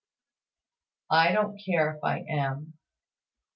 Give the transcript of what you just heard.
"I don't care if I am.